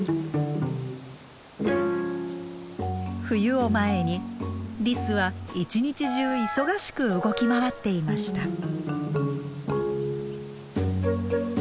冬を前にリスは一日中忙しく動き回っていました。